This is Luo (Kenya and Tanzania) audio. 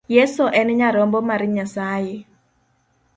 Yeso en nyarombo mar Nyasaye.